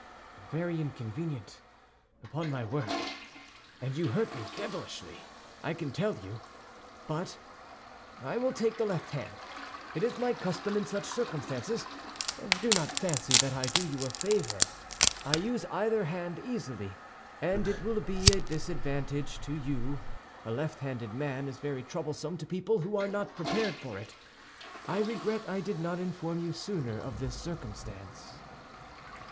"Very inconvenient, upon my word; and you hurt me devilishly, I can tell you. But I will take the left hand—it is my custom in such circumstances. Do not fancy that I do you a favor; I use either hand easily. And it will be even a disadvantage to you; a left handed man is very troublesome to people who are not prepared for it. I regret I did not inform you sooner of this circumstance."